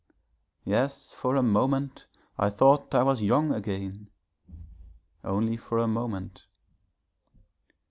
Yes, for a moment, I thought I was young again only for a moment.